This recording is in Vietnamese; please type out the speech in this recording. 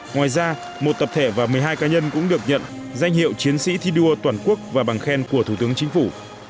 ngoài ra một tập thể và một mươi hai cá nhân cũng được nhận danh hiệu chiến sĩ thi đua toàn quốc và bằng khen của thủ tướng chính phủ